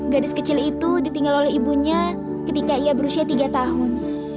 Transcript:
gadis kecil itu ditinggal oleh ibunya ketika ia berusia tiga tahun